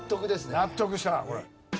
納得したなこれ。